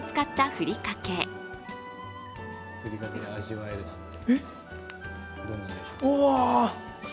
ふりかけで味わえるなんて。